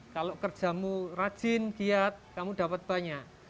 kalau kerjamu rajin giat kamu dapat banyak